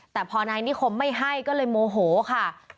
แต่พอนายนิคมไม่ให้ก็เลยโมโหค่ะ